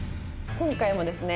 今回もですね